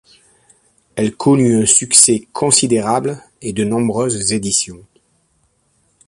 Elle connut un succès considérable et de nombreuses éditions.